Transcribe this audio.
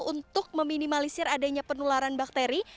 untuk meminimalisir adanya penularan bakteri